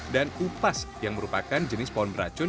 dan upas yang merupakan jenis pohon beracun